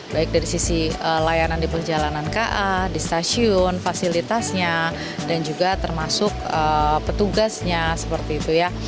baik dari sisi layanan di perjalanan ka di stasiun fasilitasnya dan juga termasuk petugasnya seperti itu ya